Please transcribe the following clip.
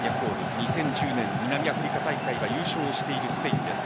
２０１０年、南ア大会優勝しているスペインです。